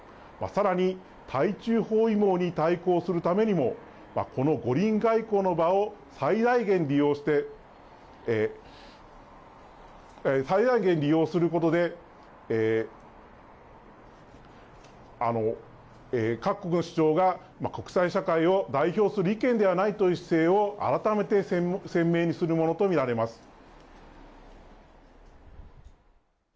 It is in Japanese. さらに対中包囲網に対抗するためにも、この五輪外交の場を最大限利用することで、各国の主張が国際社会を代表する意見ではないという姿勢を改めて鮮明にするものと見られます。